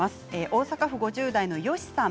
大阪府５０代の方。